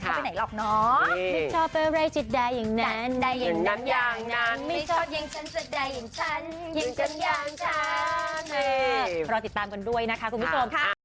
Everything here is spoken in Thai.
อย่างฉันจะได้อย่างฉันอย่างฉันอย่างฉัน